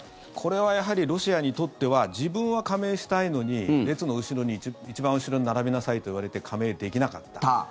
これはやはりロシアにとっては自分は加盟したいのに列の一番後ろに並びなさいと言われて加盟できなかった。